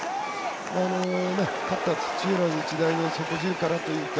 勝った土浦日大の底力というか